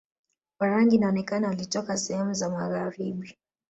Warangi inaonekana walitoka sehemu za magharibi